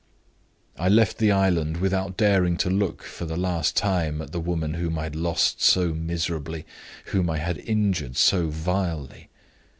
I left the island without daring to look for the last time at the woman whom I had lost so miserably, whom I had injured so vilely.